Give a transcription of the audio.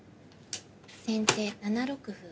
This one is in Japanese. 先手７六歩。